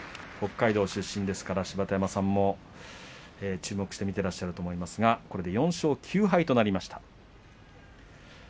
北海道出身ですから芝田山さんも注目して見ていると思いますが、これで４勝９敗となりました。